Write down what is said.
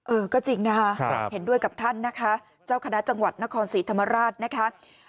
เออก็จริงนะคะเห็นด้วยกับท่านนะคะเจ้าคณะจังหวัดนครศรีธรรมราชนะคะ